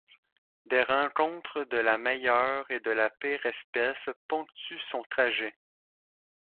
Des rencontres de la meilleure et de la pire espèce ponctuent son trajet.